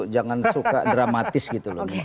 jangan suka dramatis gitu loh